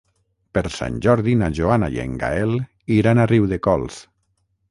Per Sant Jordi na Joana i en Gaël iran a Riudecols.